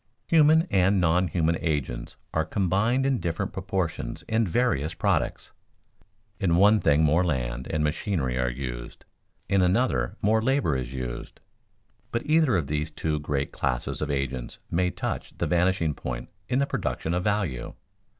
_ Human and non human agents are combined in different proportions in various products. In one thing more land and machinery are used, in another more labor is used. But either of these two great classes of agents may touch the vanishing point in the production of value.